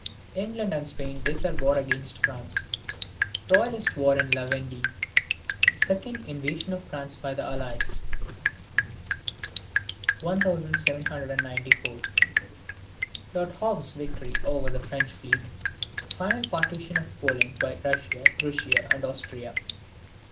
England and Spain declare war against France. Royalist war in La Vendee. Second invasion of France by the Allies. 1794. Lord Howe's victory over the French fleet. Final partition of Poland by Russia, Prussia, and Austria.